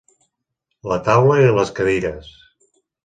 La taula i les cadires.